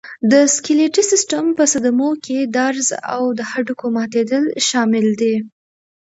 د سکلېټي سیستم په صدمو کې درز او د هډوکو ماتېدل شامل دي.